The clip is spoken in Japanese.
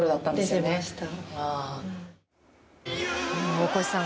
大越さん。